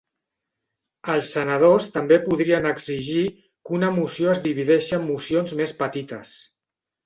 Els senadors també podrien exigir que una moció es divideixi en mocions més petites.